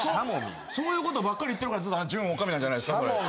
そういうことばっかり言ってるからずっと準女将なんじゃないですか？